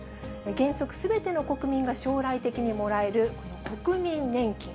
原則すべての国民が将来的にもらえる国民年金。